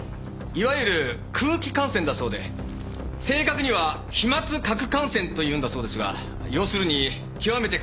いわゆる空気感染だそうで正確には飛沫核感染というんだそうですが要するに極めて